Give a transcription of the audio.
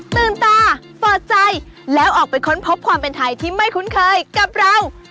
ตื่นตาเปิดใจแล้วออกไปค้นพบความเป็นไทยที่ไม่คุ้นเคยกับเรา